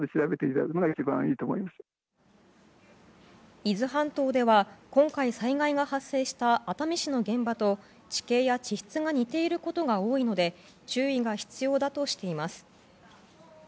伊豆半島では今回災害が発生した熱海市の現場と地形や地質が似ていることが多いので注意が必要だとしています。